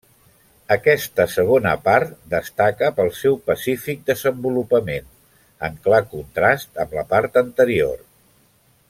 Aquesta segona part destaca pel seu pacífic desenvolupament, en clar contrast amb la part anterior.